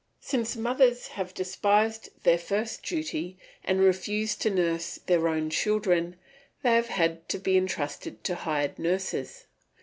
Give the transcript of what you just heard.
Since mothers have despised their first duty and refused to nurse their own children, they have had to be entrusted to hired nurses.